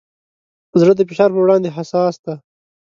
زړه د فشار پر وړاندې حساس دی.